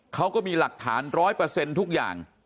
เขาก็มีหลักฐาน๑๐๐เปอร์เซ็นต์ทุกอย่าง